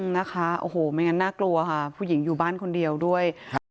นะคะโอ้โหไม่งั้นน่ากลัวค่ะผู้หญิงอยู่บ้านคนเดียวด้วยครับ